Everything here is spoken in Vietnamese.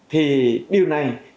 thì điều này